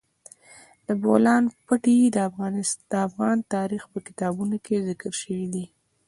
د بولان پټي د افغان تاریخ په کتابونو کې ذکر شوی دي.